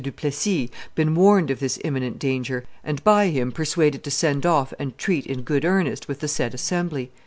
du Plessis, been warned of this imminent danger, and by him persuaded to send off and treat in good earnest with the said assembly."